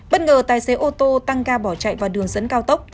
bất ngờ tài xế ô tô tăng ga bỏ chạy vào đường dẫn cao tốc